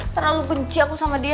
terlalu benci aku sama dia